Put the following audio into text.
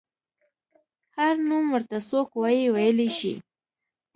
هر نوم ورته څوک وايي ویلی شي.